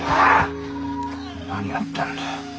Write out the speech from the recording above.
何やってんだよ。